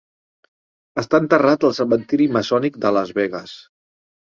Està enterrat al cementiri maçònic de Las Vegas.